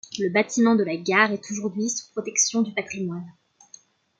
Le bâtiment de la gare est aujourd'hui sous protection du patrimoine.